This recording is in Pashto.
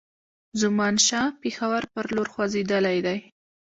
زمانشاه پېښور پر لور خوځېدلی دی.